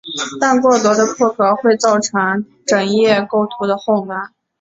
但过多的破格会造成整页构图的混乱。